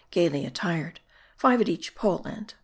gayly attired ; five at each pole end.